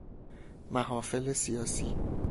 محافل سیاسی